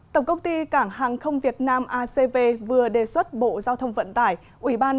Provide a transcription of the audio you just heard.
tổng công ty cảng hàng không việt nam vừa đề xuất bộ giao thông vận chuyển